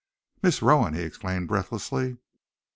"Miss Rowan!" he exclaimed breathlessly.